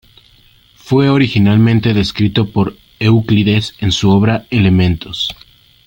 Fue originalmente descrito por Euclides en su obra "Elementos".